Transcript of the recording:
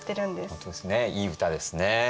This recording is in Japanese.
本当ですねいい歌ですね。